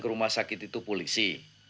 ke rumah sakit itu polisi